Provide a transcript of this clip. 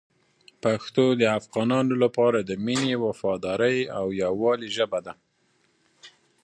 پښتو د افغانانو لپاره د مینې، وفادارۍ او یووالي ژبه ده.